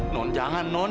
non jangan non